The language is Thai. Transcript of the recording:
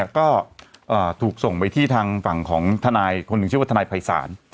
ก็ถูกส่งทางธนายภัยศาล